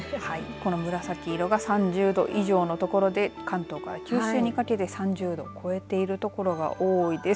この紫色が３０度以上のところで関東から九州にかけて３０度を超えているところが多いです。